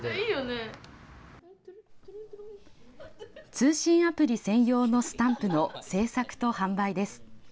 通信アプリ専用のスタンプの制作と販売です。